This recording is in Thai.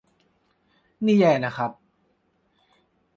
นี่แย่นะครับ